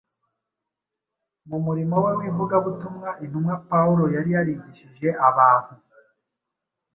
Mu murimo we w’ivugabutumwa, intumwa Pawulo yari yarigishije abantu